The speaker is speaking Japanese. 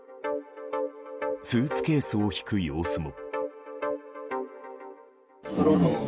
スーツケースを引く様子も。